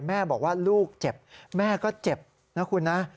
แม่บอกว่าลูกเจ็บแม่ก็เจ็บนะคุณนะ